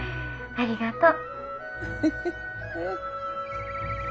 ☎ありがとう。